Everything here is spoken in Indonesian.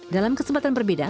dalam kesempatan berbeda